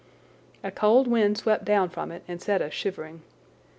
A cold wind swept down from it and set us shivering.